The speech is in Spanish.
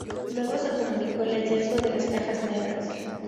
Luego se comunicó el hallazgo de las cajas negras.